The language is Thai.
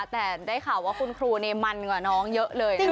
แต่ได้ข่าวว่าคุณครูนี่มันกว่าน้องเยอะเลยนะคะ